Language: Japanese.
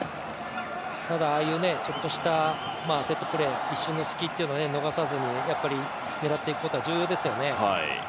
ただああいうちょっとしたセットプレー、一瞬の隙というのを逃さずに、狙っていくことは重要ですよね。